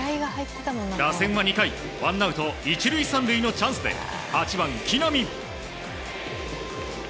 打線は２回、ワンアウト１塁３塁のチャンスで、８番木浪。